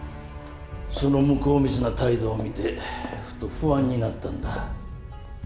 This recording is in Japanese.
その向こう見ずな態度を見てふと不安になったんだ。